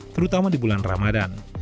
terutama di bulan ramadan